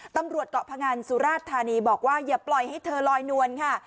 ตำรวจเกาะพงันสุราชธานีบอกว่าอย่าปล่อยให้เธอลอยนวลค่ะ